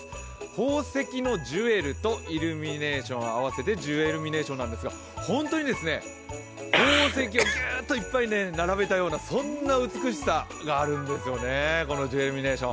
宝石のジュエルとイルミネーションとを合わせてジュエルミネーションなんですがホントに宝石をぎゅっといっぱい並べたようなそんな美しさがあるんですよね、このジュエルミネーション。